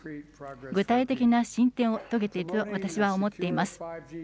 具体的な進展を遂げていると、私は思っています。